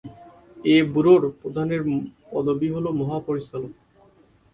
এ ব্যুরোর প্রধানের পদবি হল মহাপরিচালক।